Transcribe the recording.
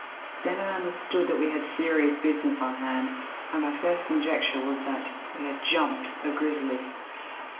Then I understood that we had serious business on hand, and my first conjecture was that we had 'jumped' a grizzly.